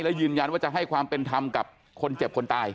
และยืนยันว่าจะให้ความเป็นธรรมกับคนเจ็บคนตาย